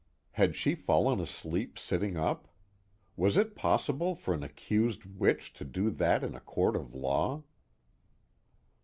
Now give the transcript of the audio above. Had she fallen asleep sitting up? Was it possible for an accused witch to do that in a court of law?